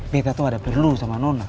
betta tuh ada perlu sama nona